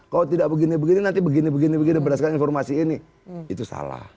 kalau tidak begini begini nanti begini begini berdasarkan informasi ini itu salah